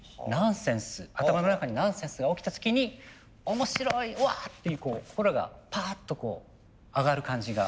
頭の中にナンセンスが起きた時に「面白い！うわ」っていう心がパーッとこう上がる感じが。